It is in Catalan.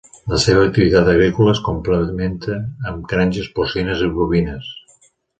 La seva activitat agrícola es complementa amb granges porcines i bovines.